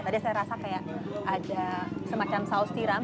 tadi saya rasa kayak ada semacam saus tiram